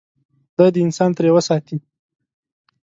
خدای دې انسان ترې وساتي.